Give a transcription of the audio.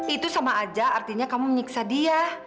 itu sama aja artinya kamu menyiksa dia